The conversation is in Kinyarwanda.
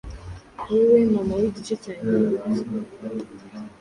Wowe, Mama w'igice cyanjye gipfa,